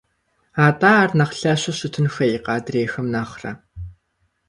АтӀэ ар нэхъ лъэщу щытын хуейкъэ адрейхэм нэхърэ?».